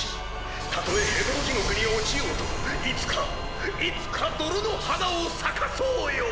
たとえヘドロ地獄に落ちようといつかいつか泥の花を咲かそうよ！